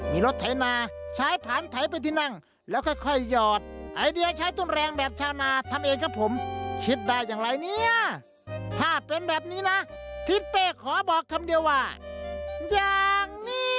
มีรถไถนาใช้ผ่านไถเป็นที่นั่งแล้วค่อยหยอดไอเดียใช้ต้นแรงแบบชาวนาทำเองครับผมคิดได้อย่างไรเนี่ยถ้าเป็นแบบนี้นะทิศเป้ขอบอกคำเดียวว่าอย่างนี้